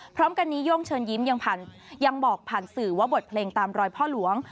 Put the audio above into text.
พร้อมกันนี้โย่งเชิญยิ้มยังบอกผ่านสื่อว่าบทเพลงตามรอยพ่อหลวง